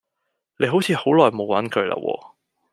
你好似好耐冇揾佢啦喎